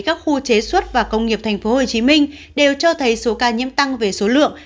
các khu chế xuất và công nghiệp tp hcm đều cho thấy số ca nhiễm tăng về số lượng